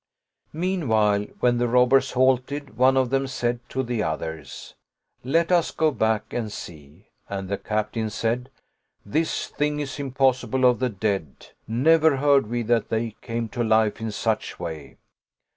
Meanwhile, when the robbers halted, one of them said to the others, " Let us go back and see "; and the Captain said, " This thing is impossible of the dead; never heard we that they came to life in such way.